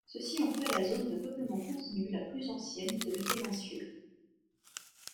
Ceci en fait la zone de peuplement continu la plus ancienne de la péninsule.